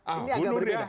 ini agak berbeda